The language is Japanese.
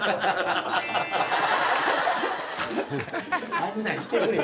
案内してくれよ。